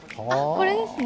これですね。